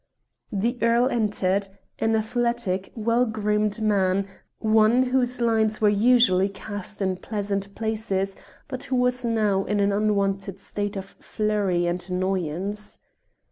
The earl entered, an athletic, well groomed man, one whose lines were usually cast in pleasant places, but who was now in an unwonted state of flurry and annoyance.